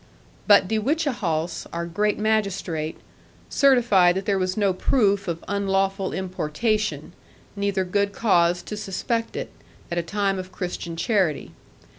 But De Whichehalse, our great magistrate, certified that there was no proof of unlawful importation; neither good cause to suspect it, at a time of Christian charity.